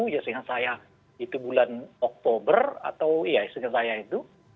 ya sehingga saya itu bulan oktober atau ya istrinya saya itu